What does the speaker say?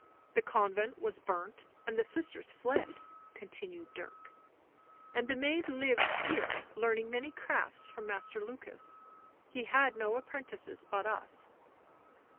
The convent was burnt and the sisters fled," continued Dirk. " And the maid lived here, learning many crafts from Master Lukas. He had no apprentices but us."